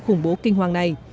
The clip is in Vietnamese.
khủng hoảng như thế này